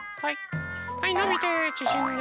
はいのびてちぢんで。